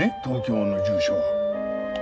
東京の住所を。